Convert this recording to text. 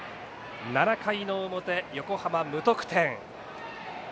７回の表、横浜、無得点。